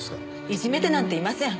いじめてなんていません。